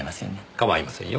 構いませんよ。